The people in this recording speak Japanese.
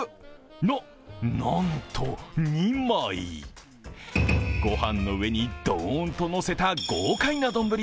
な、なんと、２枚御飯の上にドーンとのせた豪快な丼。